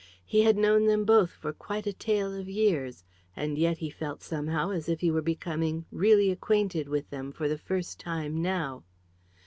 He had known them both for quite a tale of years; and yet he felt, somehow, as if he were becoming really acquainted with them for the first time now.